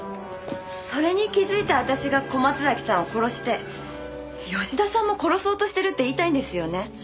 それに気づいた私が小松崎さんを殺して吉田さんも殺そうとしてるって言いたいんですよね？